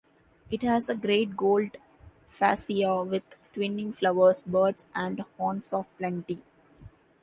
It has a great gold fascia with twining flowers, birds, and horns of plenty.